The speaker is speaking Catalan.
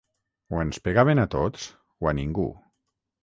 O ens pegaven a tots o a ningú.